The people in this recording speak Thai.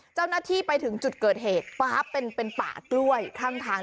เจ้าหน้าที่ไปถึงจุดเกิดเหตุฟ้าเป็นป่ากล้วยข้างทาง